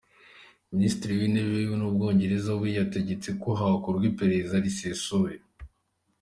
Minisitiri w'intebe w'Ubwongereza we yategetse ko hakorwa iperereza risesuye.